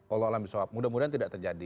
allah alhamdulillah mudah mudahan tidak terjadi